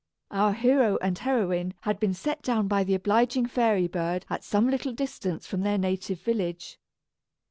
Our hero and heroine had been set down by the obliging fairy bird at some little distance from their native village.